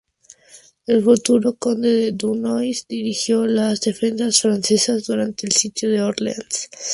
El futuro conde de Dunois, dirigió las defensas francesas durante el sitio de Orleans.